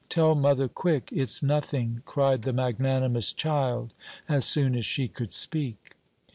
Tell mother, quick, it's nothing!" cried the magnanimous child as soon as she could speak.